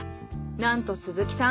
なんと鈴木さん